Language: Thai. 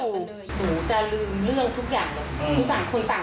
แล้วจะไม่มีการด่าแขวะจะไม่มีการกำสิ้น